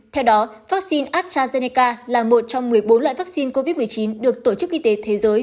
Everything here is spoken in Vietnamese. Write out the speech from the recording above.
theo đó vaccine astrazeneca là một trong một mươi bốn loại vaccine covid một mươi chín được tổ chức y tế thế giới